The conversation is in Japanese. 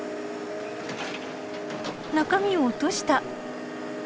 中身を落とした。